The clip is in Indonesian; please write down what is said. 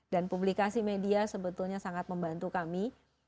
dan publikasi media sebetulnya sangat membantu kami